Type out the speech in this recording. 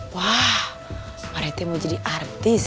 wah pak rt mau jadi artis